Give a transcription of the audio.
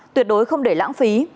tuyệt đối không để lãng phí